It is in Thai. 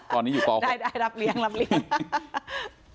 ตอนนี้อยู่ป๖ได้รับเลี้ยงรับเลี้ยง